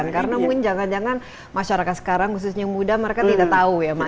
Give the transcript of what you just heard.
karena mungkin jangan jangan masyarakat sekarang khususnya yang muda mereka tidak tahu ya